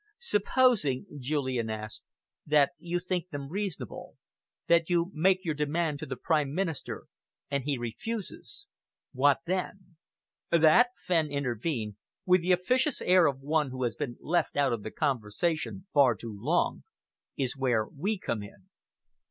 "Supposing," Julian asked, "that you think them reasonable, that you make your demand to the Prime Minister, and he refuses. What then?" "That," Fenn intervened, with the officious air of one who has been left out of the conversation far too long, "is where we come in.